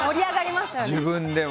自分でも。